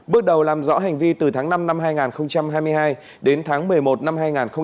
bước đầu làm rõ hành vi từ tháng năm năm hai nghìn hai mươi hai đến tháng một mươi một năm hai nghìn hai mươi hai